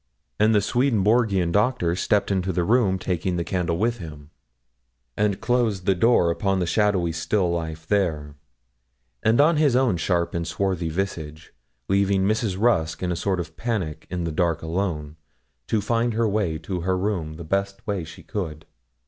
And the Swedenborgian Doctor stepped into the room, taking the candle with him, and closed the door upon the shadowy still life there, and on his own sharp and swarthy visage, leaving Mrs. Rusk in a sort of panic in the dark alone, to find her way to her room the best way she could.